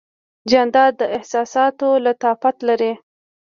جانداد د احساساتو لطافت لري.